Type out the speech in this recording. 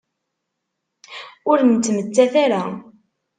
Ur nettmettat ara.